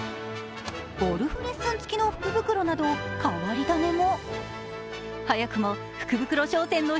ゴルフレッスン付きの福袋など変わり種も。